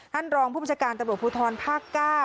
ท่านรองผู้บัญชาการตำรวจภูทรภาค๙